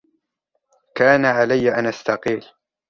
كان علي أن أستقيل.